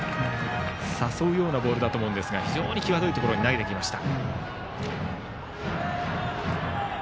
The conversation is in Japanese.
誘うようなボールだと思いますが非常に際どいところに投げてきました。